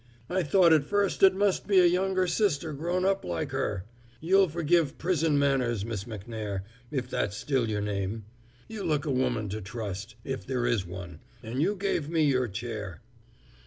I thought at first it must be a younger sister grown up like her. You'll forgive prison manners, Miss Macnair, if that's still your name. You look a woman to trust if there is one and you gave me your chair.